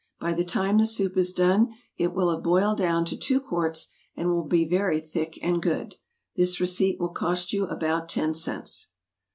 By the time the soup is done it will have boiled down to two quarts, and will be very thick and good. This receipt will cost you about ten cents.